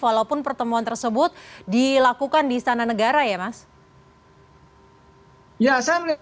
walaupun pertemuan tersebut dilakukan di istana negara ya mas